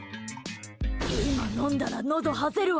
今飲んだら、のどはぜるわ。